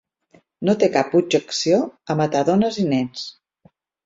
No té cap objecció a matar dones i nens.